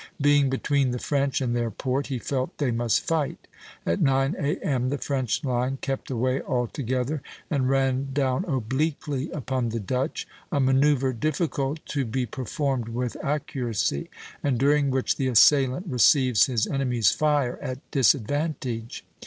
Being between the French and their port, he felt they must fight. At nine A.M. the French line kept away all together and ran down obliquely upon the Dutch, a manoeuvre difficult to be performed with accuracy, and during which the assailant receives his enemy's fire at disadvantage (A', A'', A''').